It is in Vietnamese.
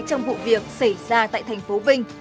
trong vụ việc xảy ra tại thành phố vinh